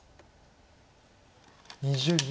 ２０秒。